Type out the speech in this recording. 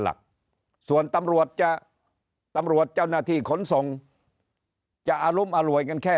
หลักส่วนตำรวจจะตำรวจเจ้าหน้าที่ขนส่งจะอารุมอร่วยกันแค่